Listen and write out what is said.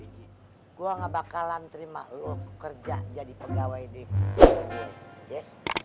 hei gua gak bakalan terima lu kerja jadi pegawai di toko gue